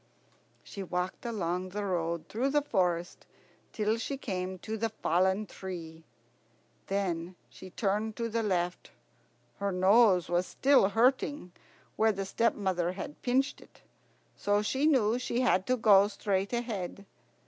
She walked along the road through the forest till she came to the fallen tree. Then she turned to the left. Her nose was still hurting where the stepmother had pinched it, so she knew she had to go straight ahead.